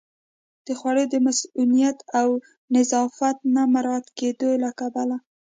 د خوړو د مصئونیت او نظافت نه مراعت کېدو له کبله